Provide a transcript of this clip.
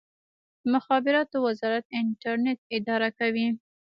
د مخابراتو وزارت انټرنیټ اداره کوي